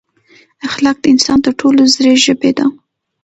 اخلاق د انسان تر ټولو زړې ژبې ده.